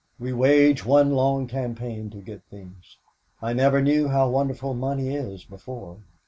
We wage one long campaign to get things. I never knew how wonderful money is before.